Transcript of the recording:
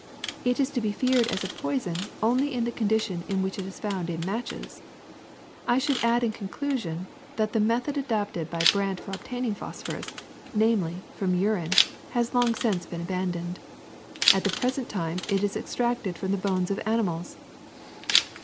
It is to be feared as a poison only in the condition in which it is found in matches. I should add in conclusion that the method adopted by Brandt for obtaining phosphorus — namely, from urine — has long since been abandoned. At the present time it is extracted from the bones of animals.''